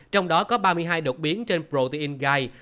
trong đó có ba mươi hai đột biến trên protein guide